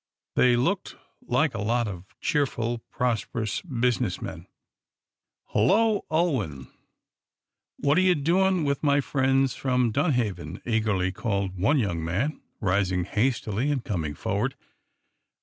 They looked like a lot of cheerful, prosperous business men. "Hullo, Ulwin, what are you doing with my friends from Dunhaven?" eagerly called one young man, rising hastily and coming forward.